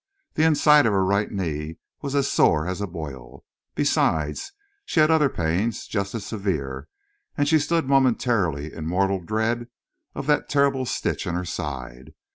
The inside of her right knee was as sore as a boil. Besides, she had other pains, just as severe, and she stood momentarily in mortal dread of that terrible stitch in her side.